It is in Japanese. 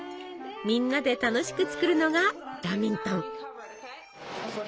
みんなで楽しく作るのがラミントン！